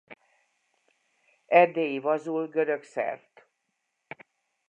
Erdélyi Vazul görög szert.